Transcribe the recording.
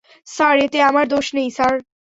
Sir, এতে আমার দোষ নেই, স্যার।